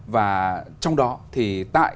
và trong đó thì tại